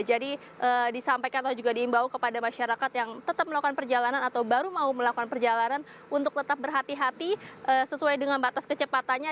jadi disampaikan atau juga diimbau kepada masyarakat yang tetap melakukan perjalanan atau baru mau melakukan perjalanan untuk tetap berhati hati sesuai dengan batas kecepatannya